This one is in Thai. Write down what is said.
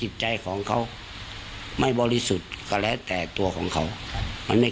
อีกตอนก็ปล่อยได้แต่เค้าก็ทำ